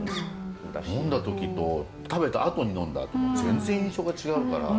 呑んだ時と食べたあとに呑んだの全然印象が違うから。